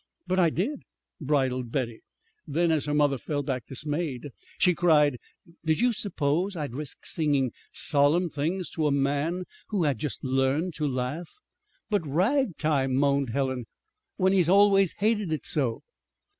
"But I did," bridled Betty. Then, as her mother fell back dismayed, she cried: "Did you suppose I'd risk singing solemn things to a man who had just learned to laugh?" "But, ragtime!" moaned Helen, "when he's always hated it so!"